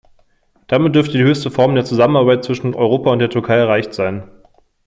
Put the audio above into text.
Damit dürfte die höchste Form der Zusammenarbeit zwischen Europa und der Türkei erreicht sein.